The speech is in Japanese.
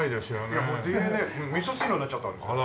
いやもうＤＮＡみそ汁になっちゃったんですよ。